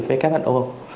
với các ấn âu